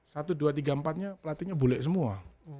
satu dua tiga empatnya pelatihnya bule semua